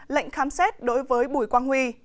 lệnh khám xét đối với bùi quang huy